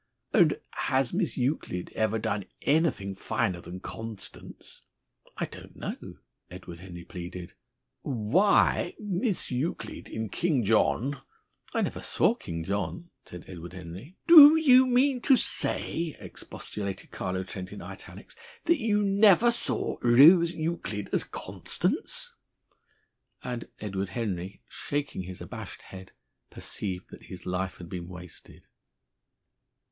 "And has Miss Euclid ever done anything finer than Constance?" "I don't know," Edward Henry pleaded. "Why Miss Euclid in 'King John' " "I never saw 'King John,'" said Edward Henry. "Do you mean to say," expostulated Carlo Trent in italics, "that you never saw Rose Euclid as Constance?" And Edward Henry, shaking his abashed head, perceived that his life had been wasted.